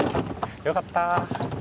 よかった。